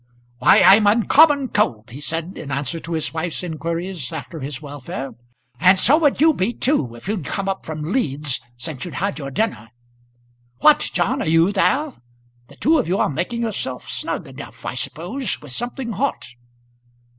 "Why, I'm uncommon cold," he said in answer to his wife's inquiries after his welfare. "And so would you be too, if you'd come up from Leeds since you'd had your dinner. What, John, are you there? The two of you are making yourself snug enough, I suppose, with something hot?"